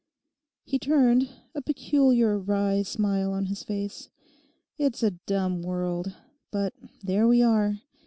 He turned; a peculiar wry smile on his face. 'It's a dumb world: but there we are.